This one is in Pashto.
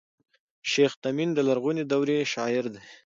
شېخ تیمن د لرغوني دورې شاعر دﺉ.